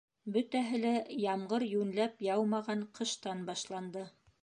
Бөтәһе лә ямғыр йүнләп яумаған ҡыштан башланды.